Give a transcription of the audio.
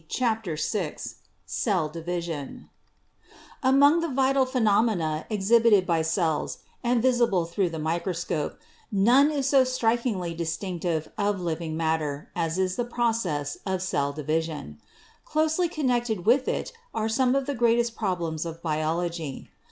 CHAPTER VI CELL DIVISION Among the vital phenomena exhibited by cells and vis ible through the microscope, none is so strikingly distinc tive of living matter as is the process of cell division. Closely connected with it are some of the greatest problems of biology.